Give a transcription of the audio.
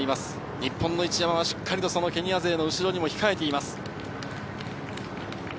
日本の一山は、しっかりとケニア勢の後ろに控えています。